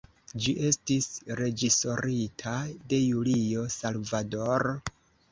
Ĝi estis reĝisorita de Julio Salvador.